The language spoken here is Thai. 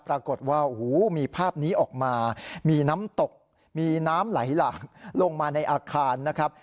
ปรากฏว่าโอ้โหมีภาพนี้ออกมามีน้ำตกมีน้ำไหลหลากลงมาในอาคารนะครับ